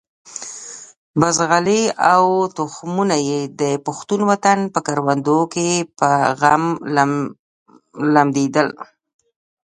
بزغلي او تخمونه یې د پښتون وطن په کروندو کې په غم لمدېدل.